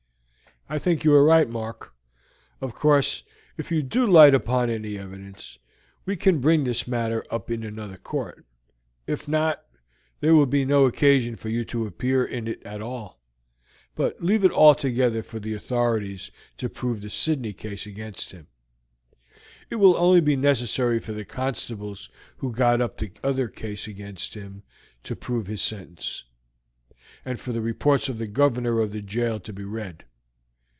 "I think you are right, Mark. Of course, if you do light upon any evidence, we can bring this matter up in another court; if not, there will be no occasion for you to appear in it at all, but leave it altogether for the authorities to prove the Sydney case against him; it will only be necessary for the constables who got up the other case against him to prove his sentence, and for the reports of the Governor of the jail to be read.